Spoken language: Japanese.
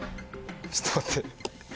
ちょっと待って。